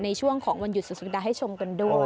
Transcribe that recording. ในช่วงของวันหยุดสุดสัปดาห์ให้ชมกันด้วย